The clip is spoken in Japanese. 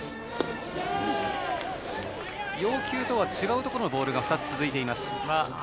要求とは違うところのボールが２つ続いています。